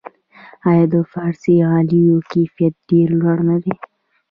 آیا د فارسي غالیو کیفیت ډیر لوړ نه دی؟